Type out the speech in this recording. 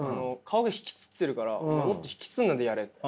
「顔が引きつってるからもっと引きつんないでやれ」って。